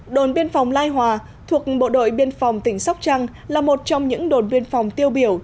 đồn biên phòng lai hòa thuộc bộ đội biên phòng tỉnh sóc trăng là một trong những đồn biên phòng tiêu biểu